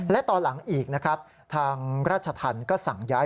และตอนหลังอีกนะครับทางราชธรรมก็สั่งย้าย